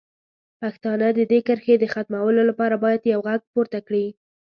پښتانه د دې کرښې د ختمولو لپاره باید یو غږ راپورته کړي.